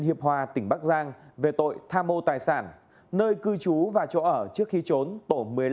hiệp hòa tỉnh bắc giang về tội tham mô tài sản nơi cư trú và chỗ ở trước khi trốn tổ một mươi năm